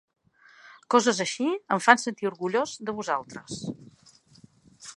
Coses així em fan sentir orgullós de vosaltres.